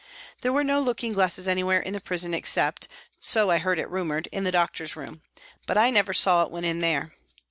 There were no looking glasses anywhere in the prison except, so I heard it rumoured, in the doctor's room, but I never saw it when there.